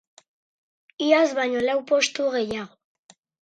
Iaz baino lau postu gehiago.